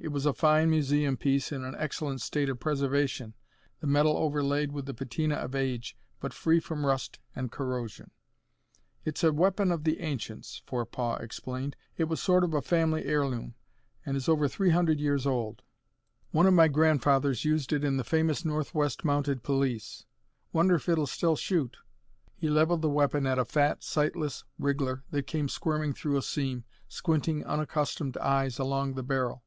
It was a fine museum piece in an excellent state of preservation, the metal overlaid with the patina of age, but free from rust and corrosion. "It's a weapon of the Ancients," Forepaugh explained. "It was a sort of family heirloom and is over 300 years old. One of my grandfathers used it in the famous Northwest Mounted Police. Wonder if it'll still shoot." He leveled the weapon at a fat, sightless wriggler that came squirming through a seam, squinting unaccustomed eyes along the barrel.